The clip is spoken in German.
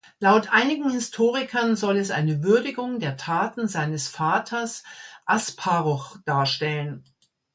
Laut einigen Historikern soll es eine Würdigung der Taten seines Vaters Asparuch darstellen.